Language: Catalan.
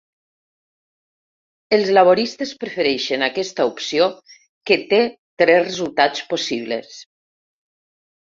Els laboristes prefereixen aquesta opció, que té tres resultats possibles.